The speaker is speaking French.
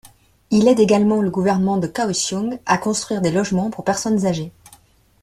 Il aide également le gouvernement de Kaohsiung à construire des logements pour personnes âgées.